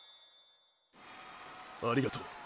ありがとう。